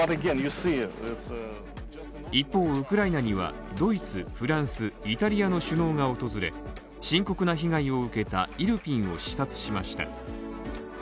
一方、ウクライナにはドイツ、フランス、イタリアの首脳が訪れ、深刻な被害を受けたイルピンを視察しました。